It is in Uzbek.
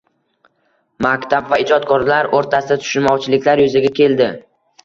Maktab va ijodkorlar o‘rtasida tushunmovchiliklar yuzaga keldi.